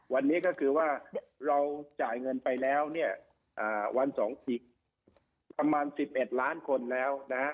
วันนี้ก็คือว่าเราจ่ายเงินไปแล้วเนี่ยวันสองอีกประมาณ๑๑ล้านคนแล้วนะฮะ